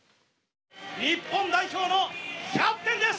「日本代表のキャプテンです！